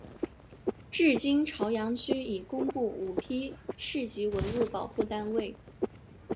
至今潮阳区已公布五批市级文物保护单位。